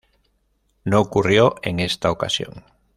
No ocurrió en esta ocasión.